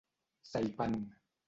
Saipan.